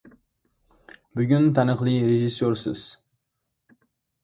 — Bugun taniqli rejissyorsiz.